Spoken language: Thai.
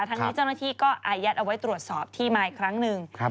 ทั้งนี้เจ้าหน้าที่ก็อายัดเอาไว้ตรวจสอบที่มาอีกครั้งหนึ่ง